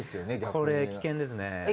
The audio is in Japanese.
これ危険ですねぇ。